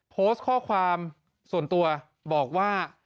โพสต์ข้อความส่วนตัวบอกว่า